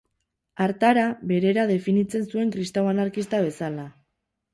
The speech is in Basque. Hartara berera definitzen zuen kristau anarkista bezala.